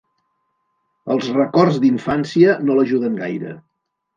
Els records d'infància no l'ajuden gaire.